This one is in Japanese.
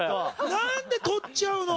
なんで取っちゃうの？